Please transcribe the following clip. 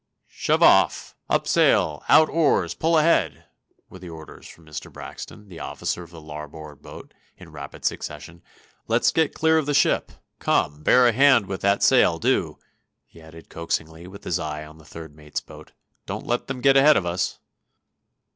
"Shove off! Up sail! Out oars! Pull ahead!" were the orders from Mr. Braxton, the officer of the larboard boat, in rapid succession. "Let's get clear of the ship. Come, bear a hand with that sail, do," he added, coaxingly, with his eye on the third mate's boat. "Don't let 'em get in ahead of us."